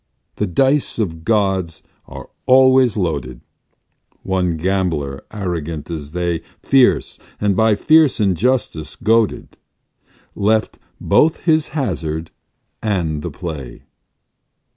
"The dice of gods are always loaded"; One gambler, arrogant as they, Fierce, and by fierce injustice goaded, Left both his hazard and the play.